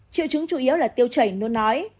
triệu chứng chủ yếu là tiêu chảy nó nói